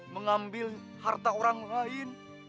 mengambil harta orang lain